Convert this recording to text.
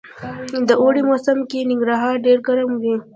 د اوړي موسم کي ننګرهار ډير ګرم وي